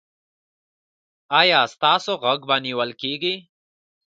ایا ستاسو غږ به نیول کیږي؟